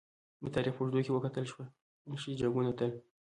د تاریخ په اوږدو کې که وکتل شي! جنګونه تل